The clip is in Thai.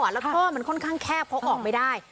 แล้วท่อมันค่อนข้างแคบเพราะออกไม่ได้